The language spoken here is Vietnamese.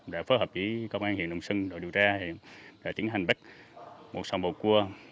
đã phối hợp với công an hiện đồng xuân đội điều tra thì đã tiến hành bắc một sòng bầu cua